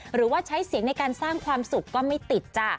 หรือว่าใช้เสียงในการสร้างความสุขก็ไม่ติดจ้ะ